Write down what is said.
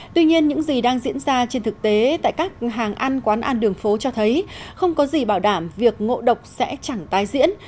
tuy nhiên những gì đang diễn ra trên thực tế tại các hàng ăn quán ăn đường phố cho thấy không có gì bảo đảm việc ngộ độc sẽ chẳng tái diễn